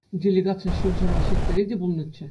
Делегаци Ҫурҫӗр Осетире те пулнӑччӗ.